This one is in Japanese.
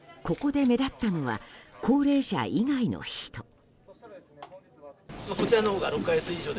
ここで目立ったのは高齢者以外の人。